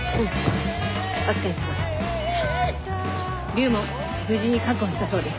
龍門無事に確保したそうです。